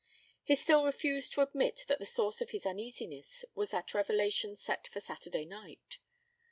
He still refused to admit that the source of his uneasiness was that revelation set for Saturday night.